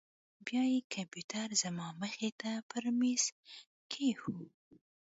بيا يې کمپيوټر زما مخې ته پر ميز کښېښوو.